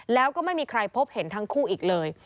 แล้วก็ไม่มีใครพบเห็นทั้งคู่อีกเลย